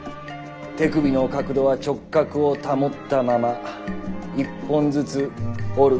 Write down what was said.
手首の角度は直角を保ったまま一本ずつ折る。